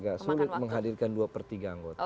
agak sulit menghadirkan dua per tiga anggota